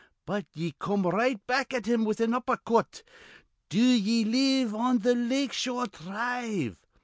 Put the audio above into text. But ye come right back at him with an upper cut: 'Do ye live on th' Lake Shore dhrive?'